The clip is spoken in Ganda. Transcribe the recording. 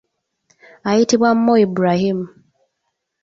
Ayitibwa Mo Ibrahim.